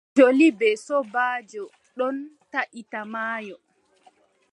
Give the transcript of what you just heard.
Joli bee sobaajo ɗon tahita maayo.